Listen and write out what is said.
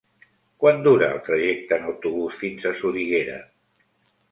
Quant dura el trajecte en autobús fins a Soriguera?